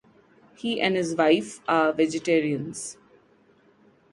He and his wife were vegetarians.